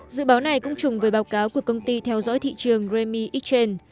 dự báo này cũng trùng với báo cáo của công ty theo dõi thị trường grammy exchange